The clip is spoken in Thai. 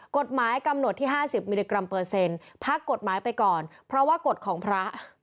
กฎหมายกำหนดที่๕๐มิลลิกรัมเปอร์เซ็นต์พักกฎหมายไปก่อนเพราะว่ากฎของพระ